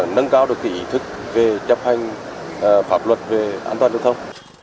nâng cao được ý thức về chấp hành pháp luật về an toàn giao thông